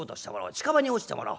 近場に落ちてもらおう。